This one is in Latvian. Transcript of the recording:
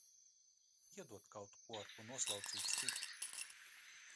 Iedod kaut ko, ar ko noslaucīt stiklu!